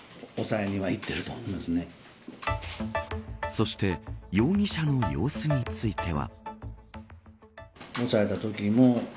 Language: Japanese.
そして容疑者の様子については。